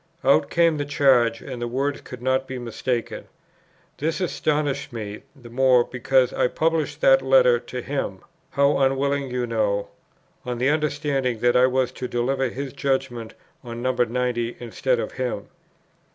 Out came the charge, and the words could not be mistaken. This astonished me the more, because I published that Letter to him, (how unwillingly you know,) on the understanding that I was to deliver his judgment on No. 90 instead of him.